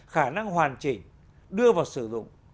khả năng hoàn chỉnh đưa vào sử dụng